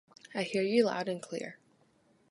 I hear you loud and clear.